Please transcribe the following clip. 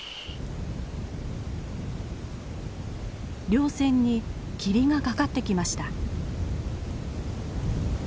りょう線に霧がかかってきました。